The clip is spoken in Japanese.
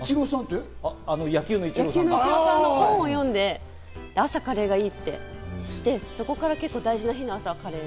野球のイチローさんの本を読んで、朝カレーがいいって知って、そこから結構大事な日の朝はカレー。